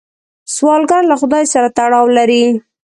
سوالګر له خدای سره تړاو لري